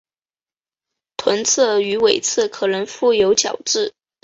臀刺与尾刺可能覆有角质。